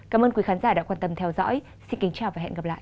cảm ơn quý khán giả đã quan tâm theo dõi xin kính chào và hẹn gặp lại